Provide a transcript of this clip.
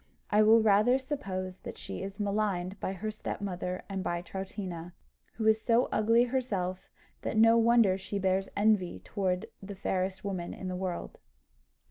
I will rather suppose that she is maligned by her stepmother and by Troutina, who is so ugly herself that no wonder she bears envy towards the fairest woman in the world."